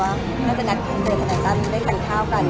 อาจจะเดินที่ธนายตัมได้การข้าวกัน